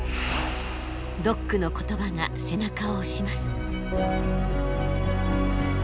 ドックの言葉が背中を押します。